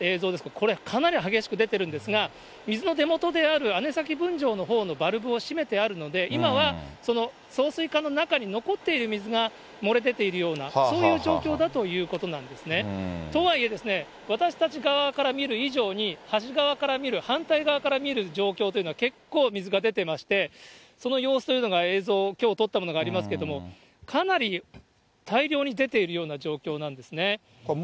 これ、かなり激しく出てるんですが、水の出元である姉崎分場のほうのバルブを締めてあるので、今はその送水管の中に残っている水がもれ出ているような、そういう状況だということなんですね。とはいえ、私たち側から見る以上に、端側から見る、反対側から見る状況というのは結構、水が出てまして、その様子というのが映像、きょう撮ったのがありますけれども、かなり大量に出ているような状況なんですね。